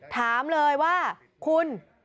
ถามเลยว่าคุณ